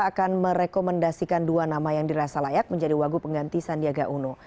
akan merekomendasikan dua nama yang dirasa layak menjadi wagu pengganti sandiaga uno